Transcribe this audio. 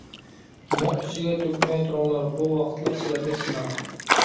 مۇڭ ئىچىگە تۆكمەي تۇرۇڭلار، بۇ ۋاقىتلىق سىلەرگە سىناق.